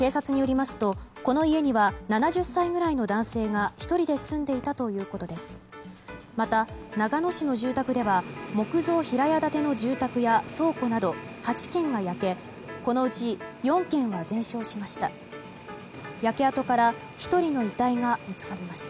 また、長野市の住宅では木造平屋建ての住宅や倉庫など８軒が焼けこのうち４軒は全焼しました。